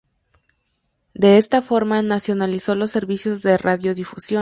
De esta forma, nacionalizó los servicios de radiodifusión.